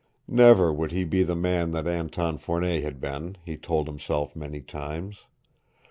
Never would he be the man that Anton Fournet had been, he told himself many times.